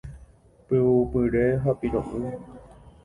Pyvupyre ha piro'y.